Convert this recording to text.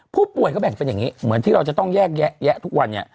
ผู้ป่วยก็แบ่งเป็นอย่างนี้เหมือนที่เราจะต้องแยกแยะทุกวันเนี่ย